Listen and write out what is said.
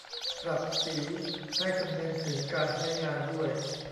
ปรับสี ให้คำนึงถึงการใช้งานด้วย